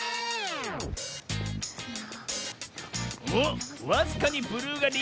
おっわずかにブルーがリードか？